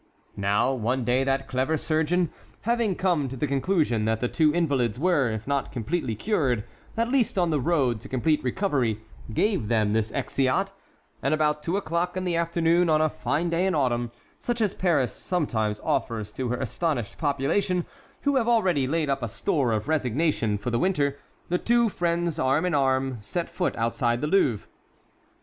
Now, one day that clever surgeon, having come to the conclusion that the two invalids were, if not completely cured, at least on the road to complete recovery, gave them this exeat, and about two o'clock in the afternoon on a fine day in autumn, such as Paris sometimes offers to her astonished population, who have already laid up a store of resignation for the winter, the two friends, arm in arm, set foot outside the Louvre.